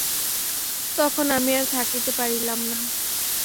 তখন আমি আর থাকিতে পারিলাম না।